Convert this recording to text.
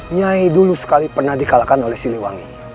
nyai dulu sekali pernah dikalahkan oleh siliwangi